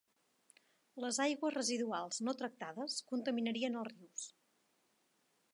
Les aigües residuals no tractades contaminarien els rius.